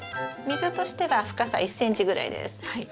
溝としては深さ１ｃｍぐらいです。